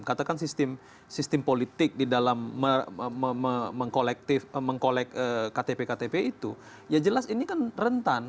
katakan sistem politik di dalam mengkolektif mengkolek ktp ktp itu ya jelas ini kan rentan